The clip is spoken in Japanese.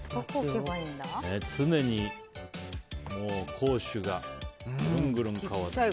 常に攻守がぐるんぐるん変わって。